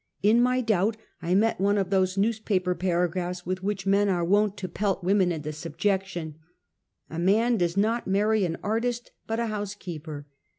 In my doubt, I met one of those newspaper paragraphs with which men are wont to pelt women into subjection: "A man does not many an artist, but a housekeeper."